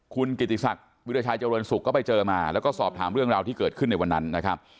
คุณกิติศักดิ์วิราชัยเจริญสุขก็ไปเจอมาแล้วก็สอบถามเรื่องราวที่เกิดขึ้นในวันนั้นนะครับ